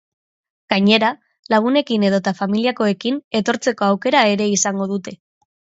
Gainera, lagunekin edota familiakoekin etortzeko aukera ere izango dute.